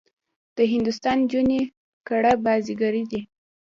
د هندوستان نجونې کړه بازيګرې دي.